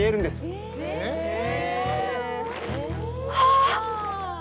あっ！